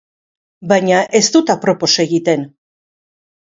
Baina ez dut apropos egiten.